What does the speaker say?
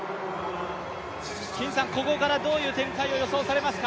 金さん、ここからどういう展開を予想されますか？